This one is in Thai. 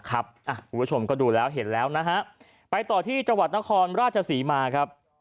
คุณผู้ชมก็ดูแล้วเห็นแล้วนะฮะไปต่อที่จังหวัดนครราชศรีมาครับ